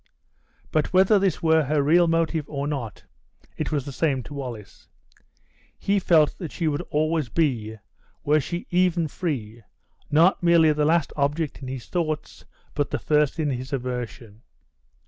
But whether this were her real motive or not, it was the same to Wallace; he felt that she would always be, were she even free, not merely the last object in his thoughts, but the first in his aversion.